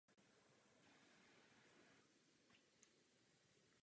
Dále se jedná o problematiku rozhodování Soudního dvora.